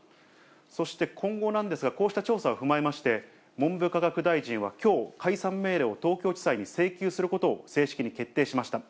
そして今後なんですが、こうした調査を踏まえまして、文部科学大臣はきょう、解散命令を東京地裁に請求することを正式に決定しました。